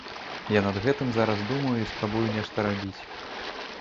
Я над гэтым зараз думаю і спрабую нешта рабіць.